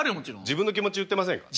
自分の気持ち言ってません？